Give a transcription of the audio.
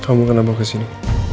kamu kenapa kesini